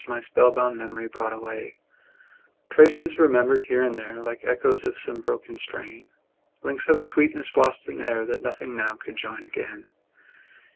My spell bound memory brought away; Traces, remembered here and there, Like echoes of some broken strain; Links of a sweetness lost in air, That nothing now could join again.